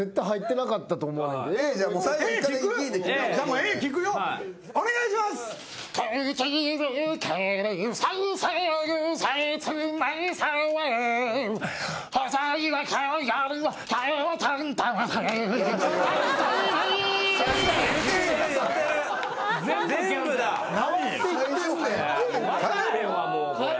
分からへんわもうこれ。